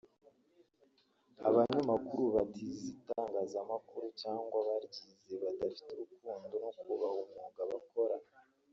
Abanyamakuru batize itangazamakuru/ cyangwa abaryize badafitiye urukundo no kubaha umwuga bakora